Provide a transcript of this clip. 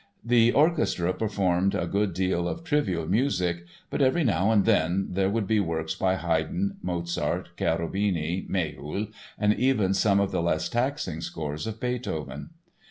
The orchestra performed a good deal of trivial music but every now and then there would be works by Haydn, Mozart, Cherubini, Méhul and even some of the less taxing scores of Beethoven.